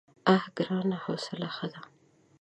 _اه ګرانه! حوصله ښه ده.